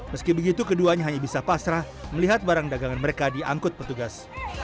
meski begitu keduanya hanya bisa pasrah melihat barang dagangan mereka diangkut petugas